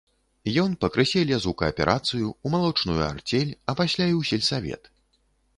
Ён пакрысе лез у кааперацыю, у малочную арцель, а пасля і ў сельсавет.